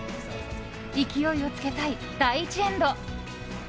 勢いをつけたい、第１エンド。